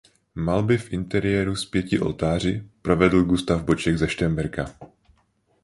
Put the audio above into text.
Malby v interiéru s pěti oltáři provedl Gustav Boček ze Šternberka.